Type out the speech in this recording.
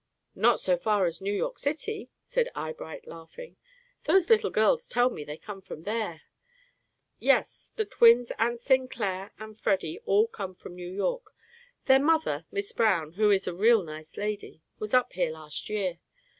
"Not so far as New York city," said Eyebright, laughing. "Those little girls tell me they come from there." "Yes; the twins and Sinclair and Freddy all come from New York. Their mother, Mis' Brown, who is a real nice lady, was up here last year.